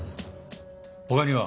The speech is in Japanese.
他には？